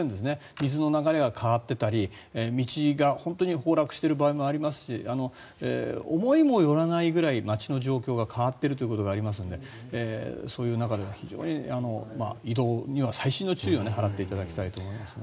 水の流れが変わってたり道が崩落している場合もありますし思いもよらないぐらい街の状況が変わっているということがありますのでそういう中では非常に移動には細心の注意を払っていただきたいと思いますね。